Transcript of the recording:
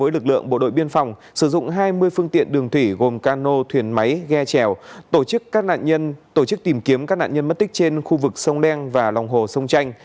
lực lượng tìm kiếm chuyển sang gia soát sông nen